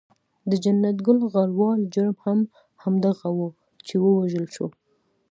د جنت ګل غروال جرم هم همدغه وو چې و وژل شو.